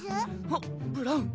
あっブラウン！